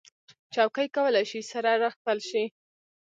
چوکۍ کولی شي سره راښکل شي.